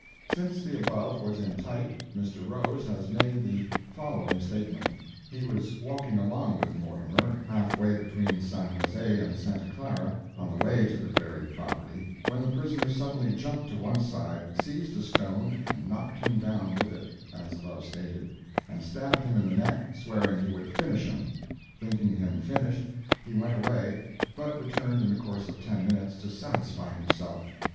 Since the above was in type, Mr. Rose has made the following statement: He was walking along with Mortimer, halfway between San Jose and Santa Clara, on the way to the buried property, when the prisoner suddenly jumped to one side, seized a stone and knocked him down with it, as above stated, and stabbed him in the neck, swearing he would "finish" him. Thinking him "finished," he went away, but returned in the course of ten minutes, to satisfy himself.